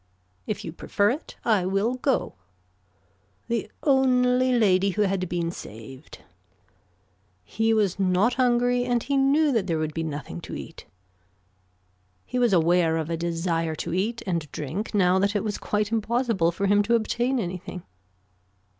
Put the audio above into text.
If you prefer it I will go. The only lady who had been saved. He was not hungry and he knew that there would be nothing to eat. He was aware of a desire to eat and drink now that it was quite impossible for him to obtain anything.